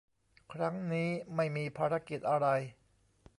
ครั้งนี้ไม่มีภารกิจอะไร